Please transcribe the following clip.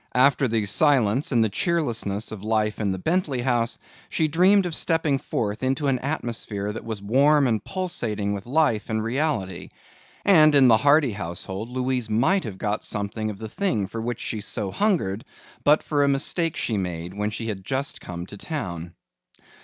After the silence and the cheerlessness of life in the Bentley house, she dreamed of stepping forth into an atmosphere that was warm and pulsating with life and reality. And in the Hardy household Louise might have got something of the thing for which she so hungered but for a mistake she made when she had just come to town.